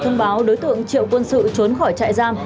thông báo đối tượng triệu quân sự trốn khỏi trại giam